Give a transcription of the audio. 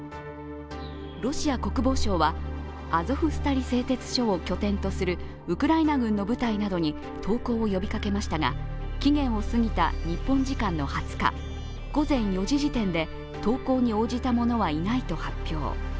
ロシア国防省はアゾフスタリ製鉄所を拠点とするウクライナ軍の部隊などに投降を呼びかけましたが期限を過ぎた日本時間の２０日午前４時時点で投降に応じた者はいないと発表。